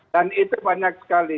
dan itu banyak sekali